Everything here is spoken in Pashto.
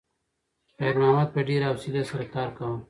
خیر محمد په ډېرې حوصلې سره کار کاوه.